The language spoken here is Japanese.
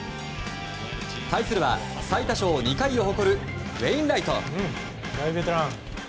対するは最多勝２回を誇るウェインライト。